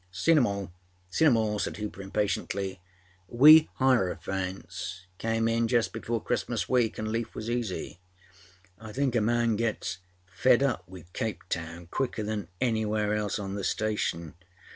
â âSeen âem all. Seen âem all,â said Hooper impatiently. âWe Hierophants came in just before Christmas week anâ leaf was easy.â âI think a man gets fed up with Cape Town quicker than anywhere else on the station.